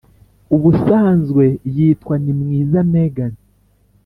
ubusanzwe yitwa nimwiza meghan,